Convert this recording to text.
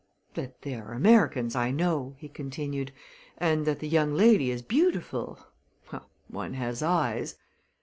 "That they are Americans I know," he continued, "and that the young lady is beautiful well, one has eyes!